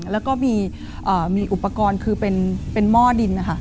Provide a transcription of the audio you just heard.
แล้วก็มีอุปกรณ์คือเป็นหม้อดินนะคะ